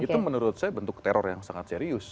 itu menurut saya bentuk teror yang sangat serius